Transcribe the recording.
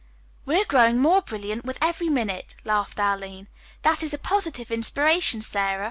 "We are growing more brilliant with every minute," laughed Arline. "That is a positive inspiration, Sara."